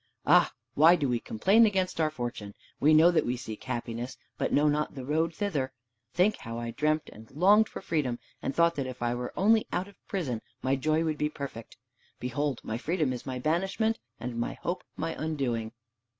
Ah, why do we complain against our fortune? We know that we seek happiness, but know not the road thither! Think how I dreamt and longed for freedom, and thought that if I were only out of prison my joy would be perfect. Behold, my freedom is my banishment, and my hope my undoing!"